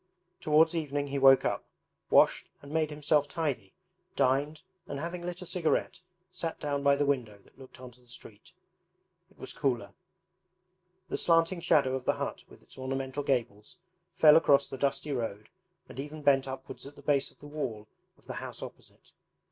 Towards evening he woke up, washed and made himself tidy, dined, and having lit a cigarette sat down by the window that looked onto the street. It was cooler. The slanting shadow of the hut with its ornamental gables fell across the dusty road and even bent upwards at the base of the wall of the house opposite.